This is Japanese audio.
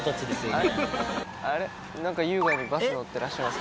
何か優雅にバス乗ってらっしゃいますね。